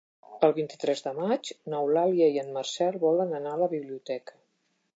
El vint-i-tres de maig n'Eulàlia i en Marcel volen anar a la biblioteca.